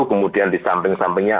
kemudian di samping sampingnya